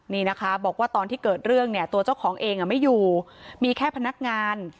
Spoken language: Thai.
นี่นะคะบอกว่าตอนที่เกิดเรื่องเนี่ยตัวเจ้าของเองไม่อยู่มีแค่พนักงาน